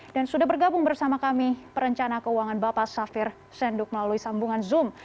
dan sudah bergabung bersama kami perencana keuangan bapak safir senduk melalui sambungan zoom